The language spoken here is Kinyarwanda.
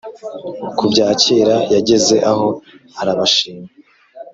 ku bya kera, yageze aho arabashima,